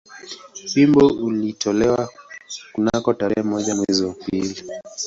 Wimbo ulitolewa kunako tarehe moja mwezi wa pili